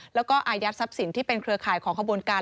แล้วก็อายัดทรัพย์สินที่เป็นเครือข่ายของขบวนการ